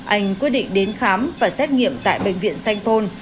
anh quyết định đến khám và xét nghiệm tại bệnh viện sanh phôn